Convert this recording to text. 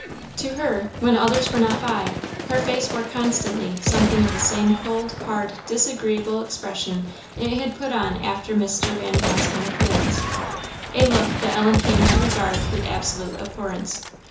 To her, when others were not by, her face wore constantly something of the same cold, hard, disagreeable expression it had put on after Mr. Van Brunt's interference a look that Ellen came to regard with absolute abhorrence.